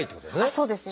そうですね。